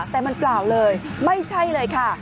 แต่มันเปล่าเลยไม่ใช่เลยค่ะ